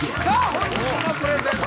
本日のプレゼンター